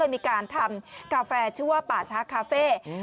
มีการทำกาแฟชื่อว่าป่าช้าคาเฟ่